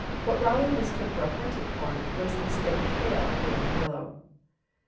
What Raleigh mistook for a hunting horn was the stiff tail of the armadillo.